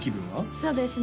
そうですね